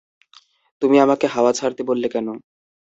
তুমি আমাকে হাওয়া ছাড়তে বললে কেন?